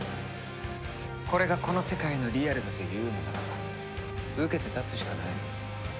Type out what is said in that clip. これがこの世界のリアルだと言うのならば受けて立つしかない。